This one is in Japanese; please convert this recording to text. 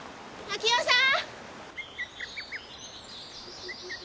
明代さん！